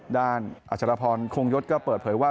ด้านอาจารย์พรโครงยศก็เปิดเผยว่า